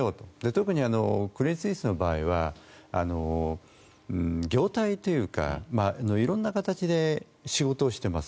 特にクレディ・スイスの場合は業態というか色んな形で仕事をしています。